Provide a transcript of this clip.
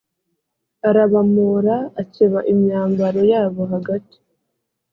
arabamora akeba imyambaro yabo hagati